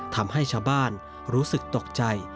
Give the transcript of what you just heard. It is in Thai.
ทำให้ชาวบ้านรู้สึกตกใจ